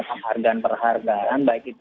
penghargaan perhargaan baik itu